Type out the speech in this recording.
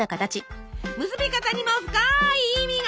結び方にも深い意味が！